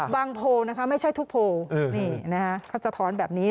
โพลนะคะไม่ใช่ทุกโพลนี่นะคะเขาสะท้อนแบบนี้